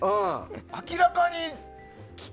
明らかに。